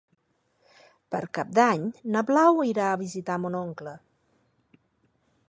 Per Cap d'Any na Blau irà a visitar mon oncle.